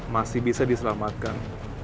masih bisa diselamatkan